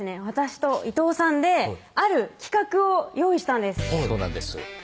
私と伊藤さんである企画を用意したんですそうなんです